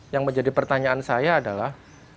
yang menjadi pertanyaan saya adalah